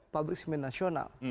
pabrik semen nasional